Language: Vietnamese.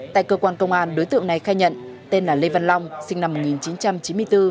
tại cơ quan công an đối tượng này khai nhận tên là lê văn long sinh năm một nghìn chín trăm chín mươi bốn